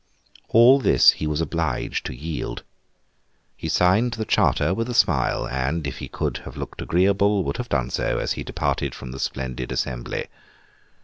All this he was obliged to yield. He signed the charter with a smile, and, if he could have looked agreeable, would have done so, as he departed from the splendid assembly.